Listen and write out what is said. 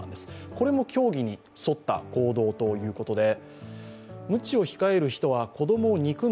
これも教義に沿った行動ということです。